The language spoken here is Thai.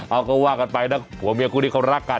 เอาก็ว่ากันไปนะผัวเมียคู่ที่เขารักกัน